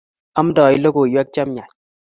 aamdei lokoiwek che miach